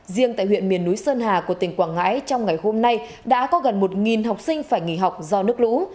riêng tại huyện miền núi sơn hà của tỉnh quảng ngãi trong ngày hôm nay đã có gần một học sinh phải nghỉ học do nước lũ